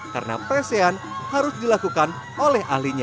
karena presian harus dilakukan oleh ahlinya